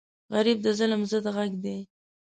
غریب د ظلم ضد غږ دی